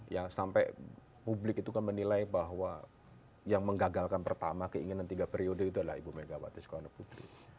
yang sampai publik itu kan menilai bahwa yang menggagalkan pertama keinginan tiga periode itu adalah ibu megawati soekarno putri